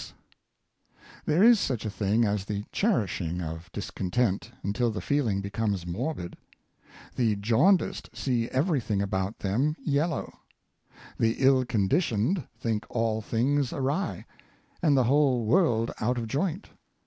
The Shallowness of Discofitent. 521 There is such a thing as the cherishing of discontent until the feehng becomes morbid. The jaundiced see everything about them yellow. The ill conditioned think all things awry, and the whole world out of joint.